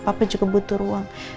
papa juga butuh ruang